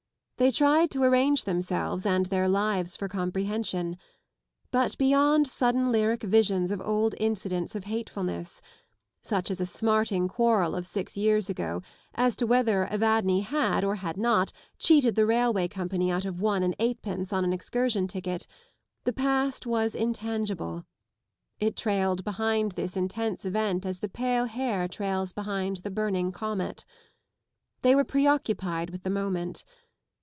They tried to arrange themselves and their lives for comprehension, but beyond sudden lyric visions of old incidents of hatefulness ŌĆö such as a smarting quarrel of six years ago as to whether Evadne had or had not cheated the railway company out of one and eightpence on an excursion ticket ŌĆö the past was intangible. It trailed behind this intense event as the pale hair trails behind the burning comet. They were pre occupied with the moment.